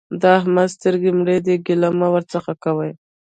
د احمد سترګې مړې دي؛ ګيله مه ورڅخه کوه.